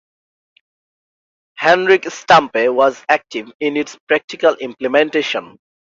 Henrik Stampe was active in its practical implementation.